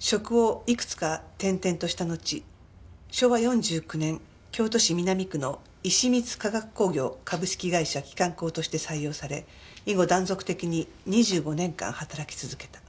職をいくつか転々としたのち昭和４９年京都市南区の石光化学工業株式会社期間工として採用され以後断続的に２５年間働き続けた。